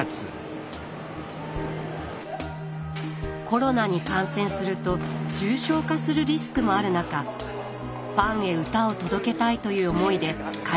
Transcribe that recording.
コロナに感染すると重症化するリスクもある中ファンへ歌を届けたいという思いで会場入り。